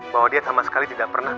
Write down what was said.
bahwa dia sama sekali tidak pernah